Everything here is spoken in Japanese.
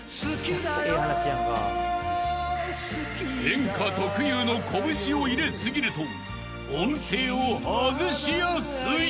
［演歌特有のこぶしを入れ過ぎると音程を外しやすい］